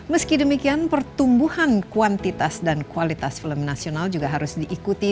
meski demikian pertumbuhan kuantitas dan kualitas film nasional juga harus diikuti